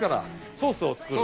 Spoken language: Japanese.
ソースを作る？